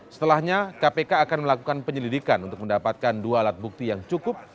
setelahnya kpk akan melakukan penyelidikan untuk mendapatkan dua alat bukti yang cukup